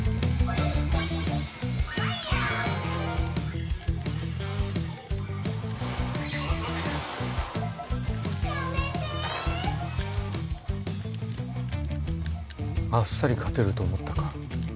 やめてあっさり勝てると思ったか？